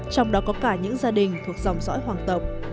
trong đó có cả những gia đình thuộc dòng sõi hoàng tộc